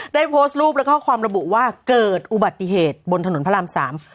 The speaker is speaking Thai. ได้โพสต์รูปและข้อความระบุว่าเกิดอุบัติเหตุบนถนนพระรามสาม